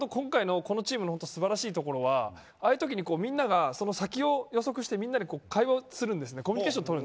今回のこのチームの素晴らしいところはああいうときに、みんなが先を予測してみんなで会話するんです。